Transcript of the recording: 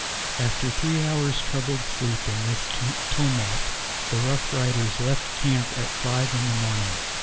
After three hours' troubled sleep in this tumult the Rough Riders left camp at five in the morning.